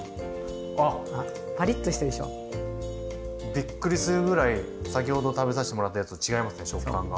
びっくりするぐらい先ほど食べさしてもらったやつと違いますね食感が。